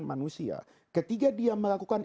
manusia ketika dia melakukan